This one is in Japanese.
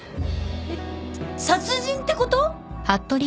えっ殺人ってこと！？